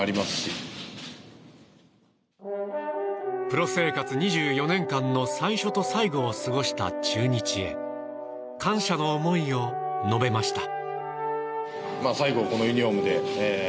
プロ生活２４年間の最初と最後を過ごした中日へ感謝の思いを述べました。